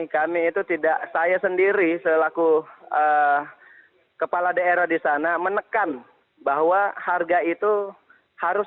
kami itu tidak saya sendiri selaku kepala daerah di sana menekan bahwa harga itu harus